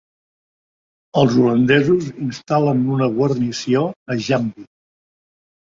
Els holandesos instal·len una guarnició a Jambi.